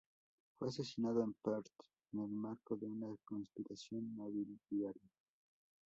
Fue asesinado en Perth, en el marco de una conspiración nobiliaria.